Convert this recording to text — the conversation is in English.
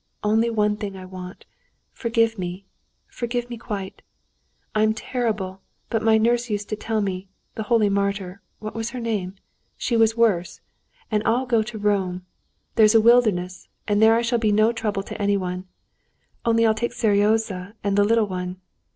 Only one thing I want: forgive me, forgive me quite. I'm terrible, but my nurse used to tell me; the holy martyr—what was her name? She was worse. And I'll go to Rome; there's a wilderness, and there I shall be no trouble to anyone, only I'll take Seryozha and the little one....